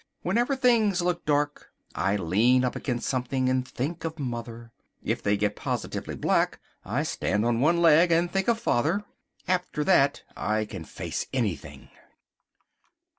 Whenever things look dark, I lean up against something and think of mother. If they get positively black, I stand on one leg and think of father. After that I can face anything.